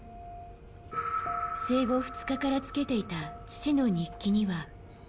生後２日からつけていた父の日記には。